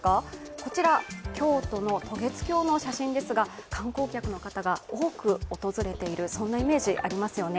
こちらは京都の渡月橋の写真ですが、観光客の方が多く訪れているそんなイメージありますよね。